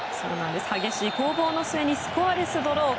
激しい攻防の末スコアレスドロー。